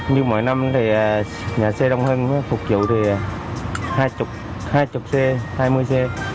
như mỗi năm thì nhà xe đông hơn phục vụ thì hai mươi xe hai mươi xe